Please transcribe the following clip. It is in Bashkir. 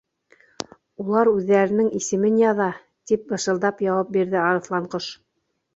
—Улар үҙҙәренең исемен яҙа, —тип бышылдап яуап бирҙе Арыҫланҡош.